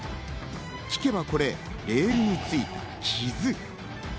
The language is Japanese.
聞けばこれ、レールについた傷。